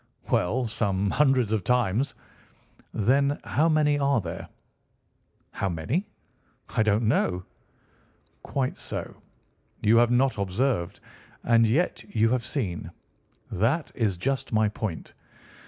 "Well, some hundreds of times." "Then how many are there?" "How many? I don't know." "Quite so! You have not observed. And yet you have seen. That is just my point.